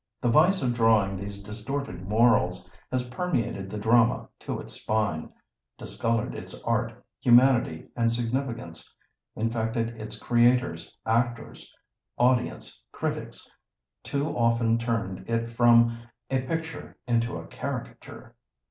The vice of drawing these distorted morals has permeated the Drama to its spine; discoloured its art, humanity, and significance; infected its creators, actors, audience, critics; too often turned it from a picture into a caricature.